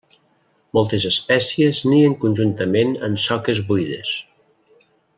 Moltes espècies nien conjuntament en soques buides.